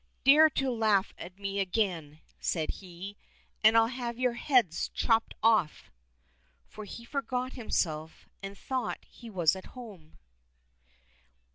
—" Dare to laugh at me again," said he, *' and I'll have your heads chopped off !" For he forgot himself, and thought he was at home.